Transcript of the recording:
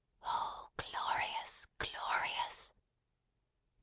Oh, glorious, glorious!